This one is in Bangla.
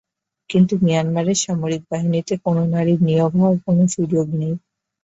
কিন্তু মিয়ানমারের সামরিক বাহিনীতে কোনো নারীর নিয়োগ হওয়ার কোনো সুযোগ নেই।